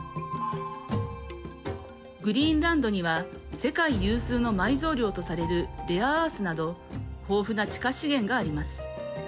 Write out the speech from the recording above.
グリーンランドには世界有数の埋蔵量とされるレアアースなど豊富な地下資源があります。